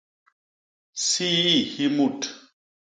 Sii hi mut.